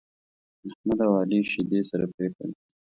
احمد او عالي شيدې سره پرېښودې.